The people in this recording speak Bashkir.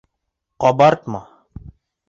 Ҡабартма